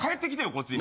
こっちに。